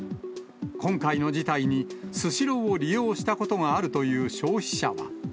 今回の事態にスシローを利用したことがあるという消費者は。